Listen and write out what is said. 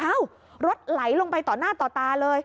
รถไหลลงไปต่อหน้าต่อตาเลย